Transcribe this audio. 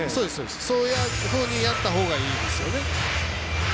そういうふうにやったほうがいいんですよね。